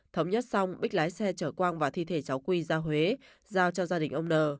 thống nhất xong bích lái xe chở quang và thi thể cháu quy ra huế giao cho gia đình ông n